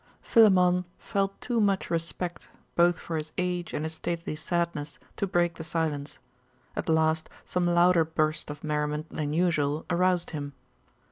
Philammon felt too much respect, both for his age and his stately sadness, to break the silence. At last some louder burst of merriment than usual aroused him.